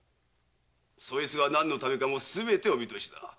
そいつが何のためかもすべてお見通しだ。